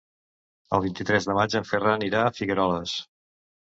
El vint-i-tres de maig en Ferran irà a Figueroles.